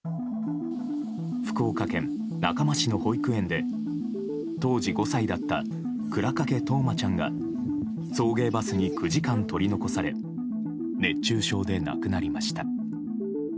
福岡県中間市の保育園で当時５歳だった倉掛冬生ちゃんが送迎バスに９時間取り残され熱中症で亡くなりました。